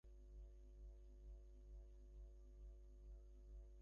এইগুলির সহিত প্রথমোক্ত তত্ত্বসমূহের কোন স্থায়ী সম্পর্ক নাই।